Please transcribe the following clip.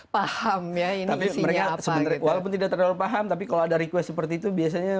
paham ya ini isinya apa gitu walaupun tidak terlalu paham tapi kalau ada request seperti itu biasanya